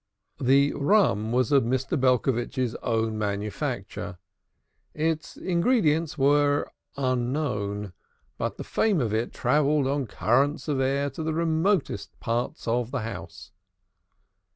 The rum was of Mr. Belcovitch's own manufacture; its ingredients were unknown, but the fame of it travelled on currents of air to the remotest parts of the house.